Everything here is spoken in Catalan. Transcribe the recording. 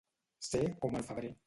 Ser com el febrer.